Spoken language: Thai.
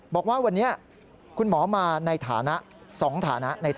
บอกว่าวันนี้คุณหมอมาในฐานะ๒ฐานะ